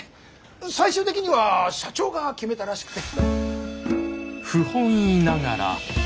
最終的には社長が決めたらしくて。